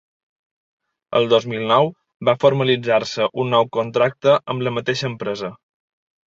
El dos mil nou va formalitzar-se un nou contracte amb la mateixa empresa.